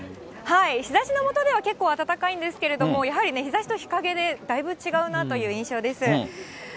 日ざしのもとでは結構暖かいんですけれども、やはりね、日ざしと日陰でだいぶ違うなという印象です。